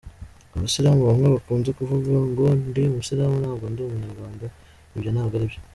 Abasilamu bamwe bakunze kuvuga ngo ndi umusilamu ntabwo ndi Umunyarwanda, ibyo ntabwo ari byo”.